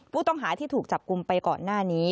ผู้ต้องหาที่ถูกจับกลุ่มไปก่อนหน้านี้